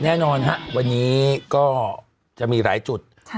แน่นอนฮะวันนี้ก็จะมีหลายจุด